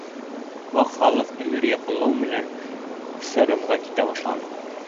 Ваҡ Халыҡ эңер яҡынлау менән сырымға китә башланы.